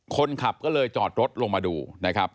คนขับก็เลยจอดรถลงมาดูนะครับ